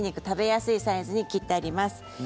食べやすいサイズに切ってあります。